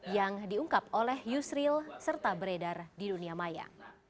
yang diungkap oleh yusril serta beredar di dunia maya